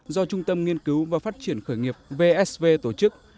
do trung tâm nghiên cứu và phát triển khởi nghiệp vsv tổ chức